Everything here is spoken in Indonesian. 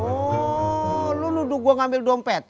oh lu nunggu gue ngambil dompet